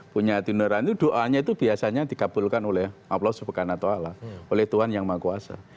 punya hati nurani doanya itu biasanya dikabulkan oleh maplau subhanahu wa ta'ala oleh tuhan yang maha kuasa